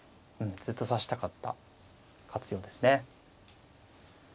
すっと指したかった活用ですね。